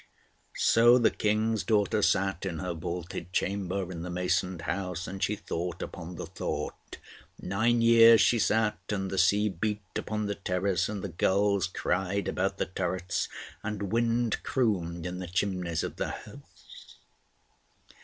So the King's daughter sat in her vaulted chamber in the masoned house, and she thought upon the thought. Nine years she sat; and the sea beat upon the terrace, and the gulls cried about the turrets, and wind crooned in the chimneys of the house.